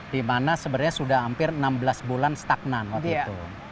dimana sebenarnya sudah hampir enam belas bulan stagnan waktu itu